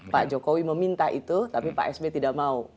pak jokowi meminta itu tapi pak sby tidak mau